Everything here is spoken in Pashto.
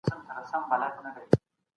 دا موضوع به د خلګو اړتیاوې پوره کړي.